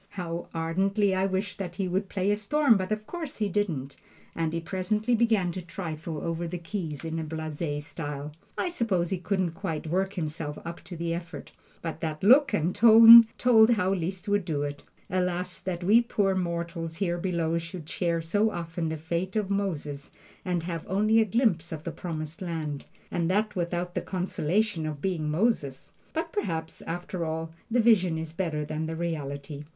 How ardently I wished that he would "play a storm," but of course he didn't, and he presently began to trifle over the keys in a blase style. I suppose he couldn't quite work himself up to the effort, but that look and tone told how Liszt would do it. Alas, that we poor mortals here below should share so often the fate of Moses, and have only a glimpse of the Promised Land, and that without the consolation of being Moses! But perhaps, after all, the vision is better than the reality.